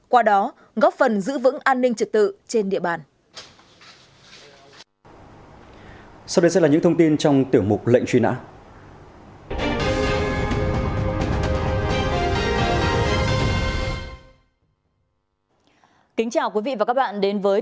qua đó góp phần giữ vững an ninh trật tự trên địa bàn